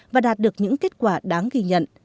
và đạt được những kết quả đáng ghi nhận